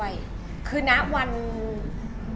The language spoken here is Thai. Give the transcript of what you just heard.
อย่างไหนคน